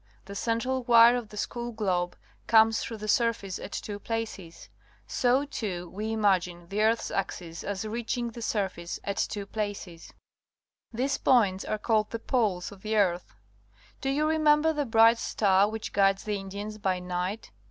The central wire of the school globe comes through the surface at two places. So, too, we imagine tlie earth's axis as The Southern Hemisphere reaching the surface at two places. These points are called tlie Poles of the earth. Do you remember the bright star w'hich guides the Indians by night?